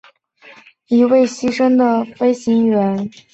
他是海军舰载航空兵部队成立后第一位牺牲的飞行员。